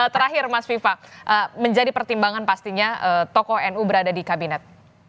terakhir mas viva menjadi pertimbangan pastinya tokoh nu berada di kabinet